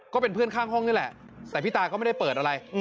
ก็เป็นเพื่อนข้างห้องนี่แหละแต่พี่ตาก็ไม่ได้เปิดอะไร